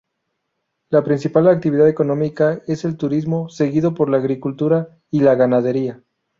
La principal actividad económica es el turismo seguido por la agricultura y la ganadería.